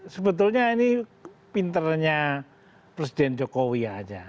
sebetulnya ini pinternya presiden jokowi aja